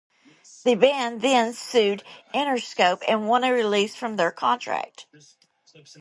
The band then sued Interscope and won a release from their contract.